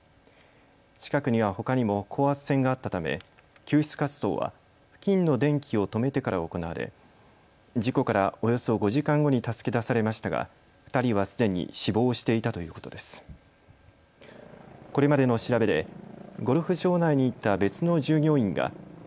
近くには、ほかにも高圧線があったため救出活動は付近の電気を止めてから行われ事故からおよそ５時間後に助け出されましたが２人はすでに死亡していたということです。